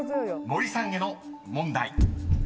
［森さんへの問題］